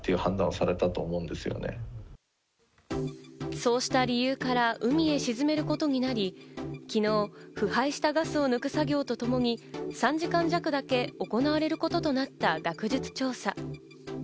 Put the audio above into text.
そうした理由から海に沈めることになり、昨日腐敗したガスを抜く作業とともに３時間弱だけ行われることとなった学術調査。